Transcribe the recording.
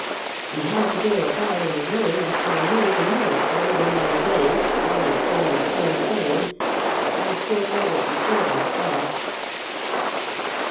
We had to go about in the rain up to our knees in mud for eight or nine days, always saying the same thing. And of course all that we said was bosh.